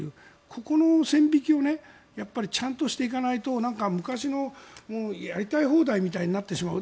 ここの線引きをちゃんとしていかないと昔のやりたい放題みたいになってしまう。